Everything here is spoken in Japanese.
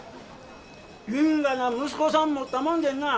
因果な息子さん持ったもんでんなあ。